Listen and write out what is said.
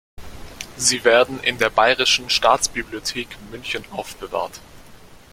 Sie werden in der Bayerischen Staatsbibliothek München aufbewahrt.